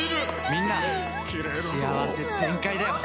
みんな幸せ全開だよ！